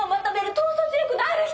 統率力のある人！